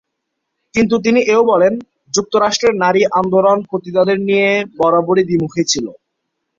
কিন্তু তিনি এও বলেন, "যুক্তরাষ্ট্রে নারী আন্দোলন পতিতাদের নিয়ে বরাবরই দ্বিমুখী ছিল"।